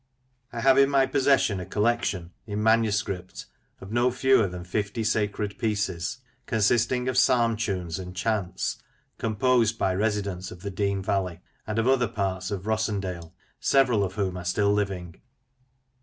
I have in my possession a collection, in manuscript, of no fewer than fifty sacred pieces, consisting of Psalm tunes and chants, composed by residents of the Dean valley, and of other parts of Rossendale, several of whom are still living.